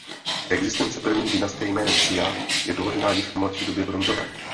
Existence první dynastie jménem Sia je doložena již v mladší době bronzové.